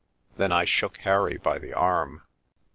Then I shook Harry by the arm.